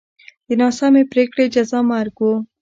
د ناسمې پرېکړې جزا مرګ و